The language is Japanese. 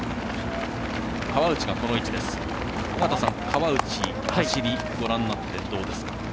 尾方さん、川内の走りをご覧になってどうですか？